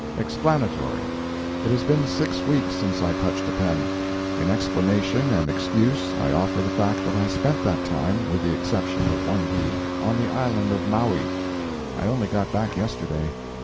] EXPLANATORY It has been six weeks since I touched a pen. In explanation and excuse I offer the fact that I spent that time (with the exception of one week) on the island of Maui. I only got back yesterday.